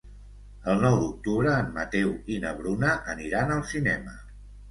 El nou d'octubre en Mateu i na Bruna aniran al cinema.